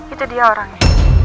itu dia orangnya